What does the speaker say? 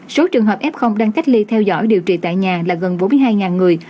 số trường hợp f đang cách ly theo dõi điều trị tại nhà là gần bốn mươi hai người